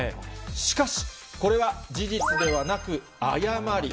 しかし、これは事実ではなく、誤り。